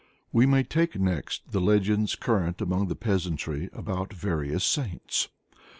We may take next the legends current among the peasantry about various saints.